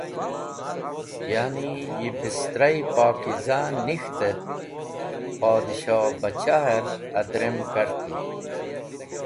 Yani yi bistra-e pokizayi nik̃ht et Podshohbachaher adrem karti.